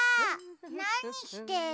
なにしてるの？